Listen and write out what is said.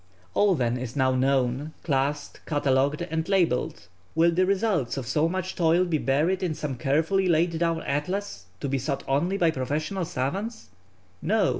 All then is now known, classed, catalogued, and labelled! Will the results of so much toil be buried in some carefully laid down atlas, to be sought only by professional savants? No!